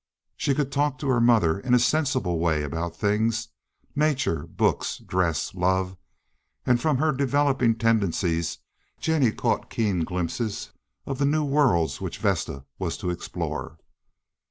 She could talk to her mother in a sensible way about things, nature, books, dress, love, and from her developing tendencies Jennie caught keen glimpses of the new worlds which Vesta was to explore.